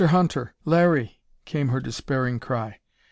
Hunter! Larry!" came her despairing cry.